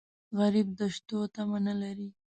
غریب د شتو تمه نه لري